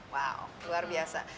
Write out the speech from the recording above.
wow luar biasa